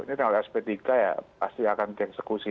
ini kalau sp tiga ya pasti akan dieksekusi